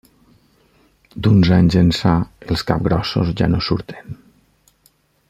D'uns anys ençà, els capgrossos ja no surten.